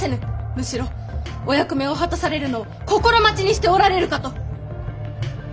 むしろお役目をはたされるのを心待ちにしておられるかと。